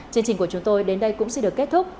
chương trình của chúng tôi đến đây cũng xin được kết thúc